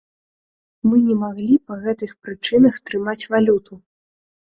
Мы не маглі па гэтых прычынах трымаць валюту.